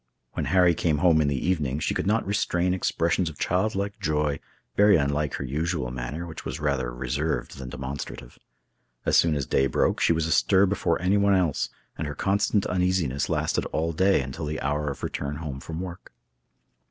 When Harry came home in the evening, she could not restrain expressions of child like joy, very unlike her usual manner, which was rather reserved than demonstrative. As soon as day broke, she was astir before anyone else, and her constant uneasiness lasted all day until the hour of return home from work.